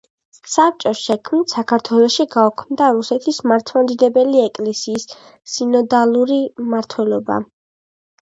საბჭოს შექმნით, საქართველოში გაუქმდა რუსეთის მართლმადიდებელი ეკლესიის სინოდალური მმართველობა.